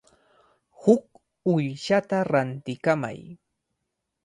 Huk uyshata rantikamay.